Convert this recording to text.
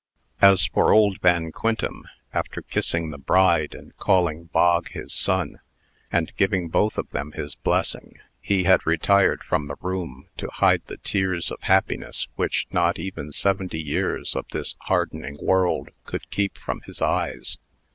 As for old Van Quintem, after kissing the bride, and calling Bog his son, and giving both of them his blessing, he had retired from the room to hide the tears of happiness which not even seventy years of this hardening world could keep from his eyes.